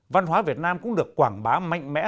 văn hóa việt nam cũng được quảng bá mạnh mẽ